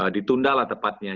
ditunda lah tepatnya